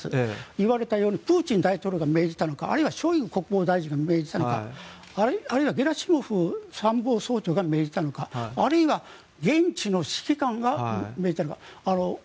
言われたようにプーチン大統領が命じたのかあるいはショイグ国防大臣が命じたのかあるいはゲラシモフ参謀総長が命じたのかあるいは現地の指揮官が命じたのか。